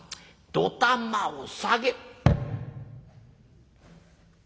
どたまを下げい！」。